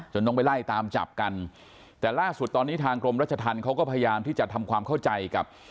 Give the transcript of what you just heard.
ต้องไปไล่ตามจับกันแต่ล่าสุดตอนนี้ทางกรมรัชธรรมเขาก็พยายามที่จะทำความเข้าใจกับ